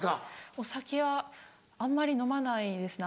お酒はあんまり飲まないですね。